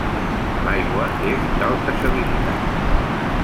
L’aigua és d’alta salinitat.